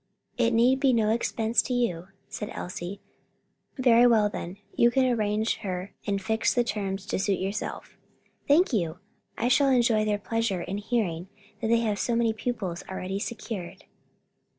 "It need be no expense to you," said Elsie. "Very well then, you can engage her and fix the terms to suit yourself." "Thank you; I shall enjoy their pleasure in hearing that they have so many pupils already secured."